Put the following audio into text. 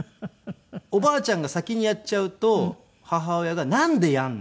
おばあちゃんが先にやっちゃうと母親が「なんでやるの？」。